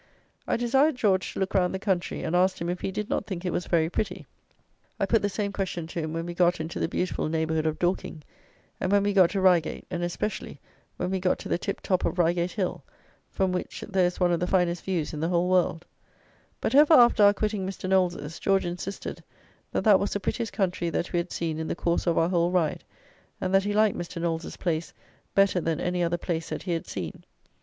I desired George to look round the country, and asked him if he did not think it was very pretty. I put the same question to him when we got into the beautiful neighbourhood of Dorking, and when we got to Reigate, and especially when we got to the tip top of Reigate Hill, from which there is one of the finest views in the whole world; but ever after our quitting Mr. Knowles's, George insisted that that was the prettiest country that we had seen in the course of our whole ride, and that he liked Mr. Knowles's place better than any other place that he had seen.